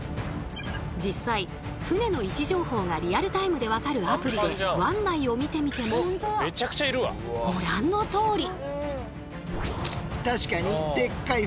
実際船の位置情報がリアルタイムで分かるアプリで湾内を見てみてもご覧のとおり！